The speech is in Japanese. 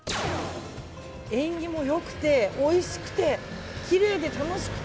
縁起も良くて、おいしくてきれいで楽しくて。